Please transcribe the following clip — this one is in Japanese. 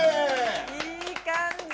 いい感じ。